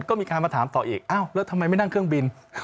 ก็มีการมาถามต่ออีกอ้าวแล้วทำไมไม่นั่งเครื่องบิน